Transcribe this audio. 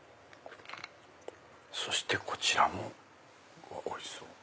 そしてこちらもおいしそう！